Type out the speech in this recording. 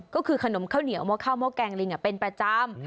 ก็คือขนมข้าวเหนียวหม้อข้าวหม้อแกงลิงเป็นประจำ